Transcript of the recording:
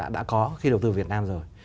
mà họ đã có khi đầu tư việt nam rồi